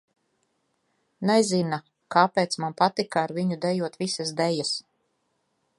Nezina, kāpēc man patika ar viņu dejot visas dejas.